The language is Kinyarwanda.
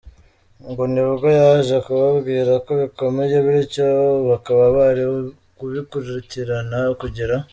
ngo nibwo yaje kubabwira ko bikomeye bityo bakaba bari kubikurikirana kugira